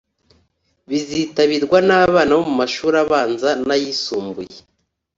bizitabirwa n’abana bo mu mashuri abanza n’ayisumbuye